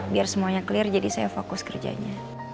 biar semuanya clear jadi saya fokus kerjanya